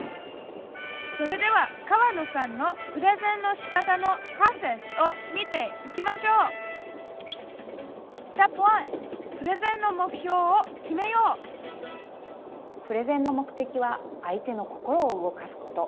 それでは河野さんのプレゼンのしかたのプロセスを見ていきましょうプレゼンの目的は「相手の心を動かす」こと。